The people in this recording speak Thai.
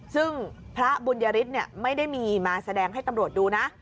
ซึ่งพระบุญยฤทธิ์ไม่ได้มีมาแสดงให้ตำรวจดูนะ